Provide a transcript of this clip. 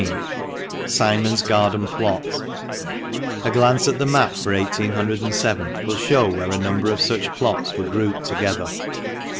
— SIMON'S GARDEN PLOT. — A glance at the map for 1807 will show where a number of such plots were grouped together.